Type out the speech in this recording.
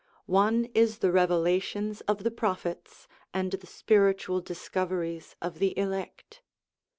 One is the revelations of the Prophets, and the spiritual discoveries of the elect.